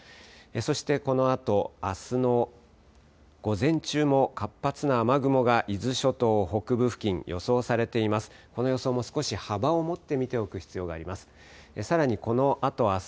そしてこのあと、あすの午前中も活発な雨雲が伊豆諸島北部付近予想されています。